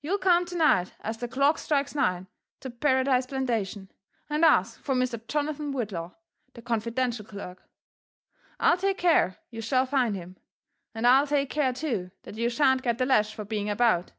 You 11 come to*night as the clock strikes nine to Paradise Plantation, and ask for Mr. Jonathan Whitlaw, the confidential clerk. I 'II take eare you shall find him, and I'll take care, too^ that you shan't get the lash for being about.